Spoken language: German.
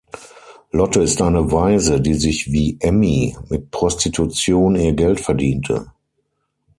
Lotte ist eine Waise, die sich wie Emmi mit Prostitution ihr Geld verdiente.